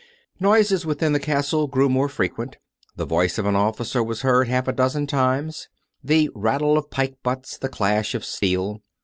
Noises within the Castle grew more frequent. The voice of an officer was heard half a dozen times; the rattle of pike butts, the clash of steel.